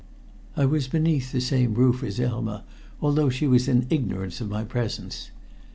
I was beneath the same roof as Elma, although she was in ignorance of my presence.